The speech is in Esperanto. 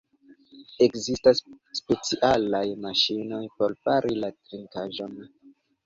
Ekzistas specialaj maŝinoj por fari la trinkaĵon.